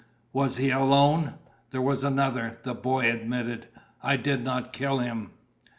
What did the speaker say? "Was he alone?" "There was another," the boy admitted. "I did not kill him."